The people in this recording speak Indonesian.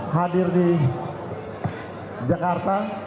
hadir di jakarta